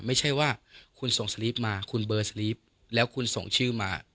ไม่ใช่ว่าคุณส่งสลิปมาคุณเบอร์สลิปแล้วคุณส่งชื่อมา